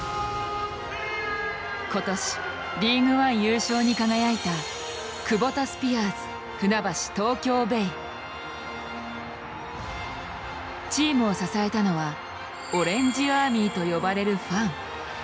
今年リーグワン優勝に輝いたチームを支えたのはオレンジアーミーと呼ばれるファン。